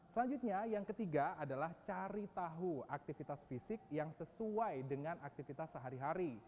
selanjutnya yang ketiga adalah cari tahu aktivitas fisik yang sesuai dengan aktivitas sehari hari